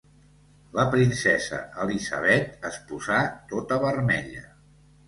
La princesa Elisabet es posà tota vermella.